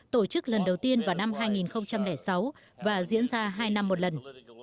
tổ chức lần đầu tiên vào năm hai nghìn sáu và diễn ra hai năm một lần